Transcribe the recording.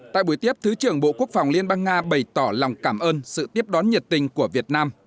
tại buổi tiếp thứ trưởng bộ quốc phòng liên bang nga bày tỏ lòng cảm ơn sự tiếp đón nhiệt tình của việt nam